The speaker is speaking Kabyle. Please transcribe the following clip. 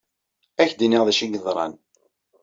Ad ak-d-iniɣ d acu ay yeḍran.